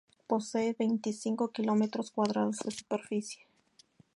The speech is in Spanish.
Posee veinticinco kilómetros cuadrados de superficie.